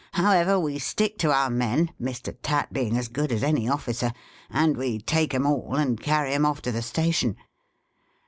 However, we stick to our men (Mr. Tatt being as good as any officer), and we take 'em all, and carry 'em off to the station.